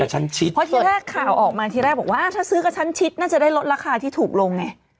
เพราะที่แรกข่าวออกมาทีแรกบอกว่าถ้าซื้อกระชั้นชิดน่าจะได้ลดราคาที่ถูกลงไง